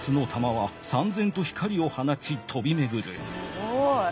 すごい。